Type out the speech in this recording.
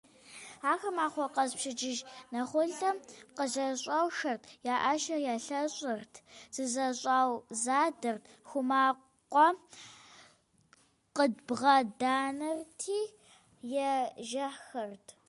Ахэр махуэ къэс пщэдджыжь нэхулъэм къызэщӀэушэрт, я Ӏэщэр ялъэщӀырт, зызэщӀаузадэрт, хъумакӀуэ къыдбгъэданэрти, ежьэхэрт.